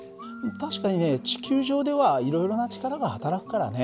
確かにね地球上ではいろいろな力がはたらくからね。